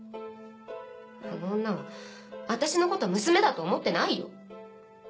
あの女は私のこと娘だと思ってないよ！